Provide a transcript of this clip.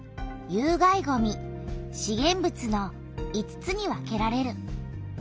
有害ごみ資源物の５つに分けられる。